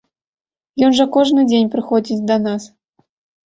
Ён жа кожны дзень прыходзіць да нас.